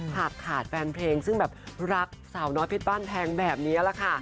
หากขาดแฟนเพลงซึ่งแบบรักสาวน้อยเพชรบ้านแพงแบบนี้แหละค่ะ